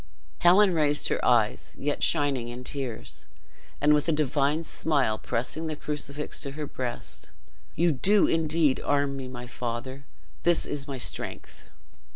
'" Helen raised her eyes, yet shining in tears, and with a divine smile pressing the crucifix to her breast, "You do indeed arm me, my father! This is my strength!"